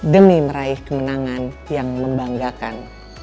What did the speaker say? demi meraih kemenangan yang membanggakan